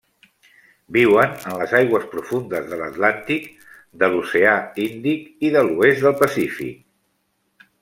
Viuen en les aigües profundes de l'Atlàntic, de l'oceà Indi i de l'Oest del Pacífic.